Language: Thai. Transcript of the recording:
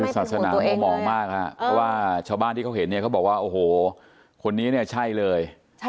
ศาสนาเขามองมากครับเพราะว่าชาวบ้านที่เขาเห็นเนี่ยเขาบอกว่าโอ้โหคนนี้เนี่ยใช่เลย